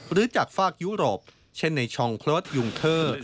หรือจากฝากยุโรปเช่นในชองโครสยุงเทอร์